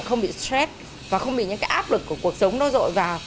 không bị stress và không bị những cái áp lực của cuộc sống nó rội vào